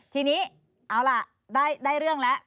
ทีนี้เอาล่ะได้เรื่องแล้ว